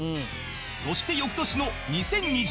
そして翌年の２０２０年